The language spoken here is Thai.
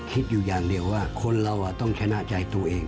คิดอยู่อย่างเดียวว่าคนเราต้องชนะใจตัวเอง